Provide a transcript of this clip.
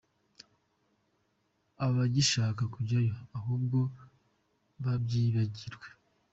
abagishaka kujyayo ahubwo babyibagirwe.